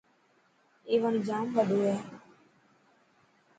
اي وڻ ڄام وڏو هي.